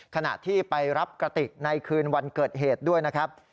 ขณะที่ไปรับกระติกในคืนวันเกิดเหตุด้วยนะครับ